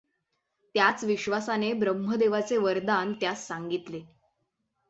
त्याच विश्वासाने ब्रह्मदेवाचे वरदान त्यास सांगितले.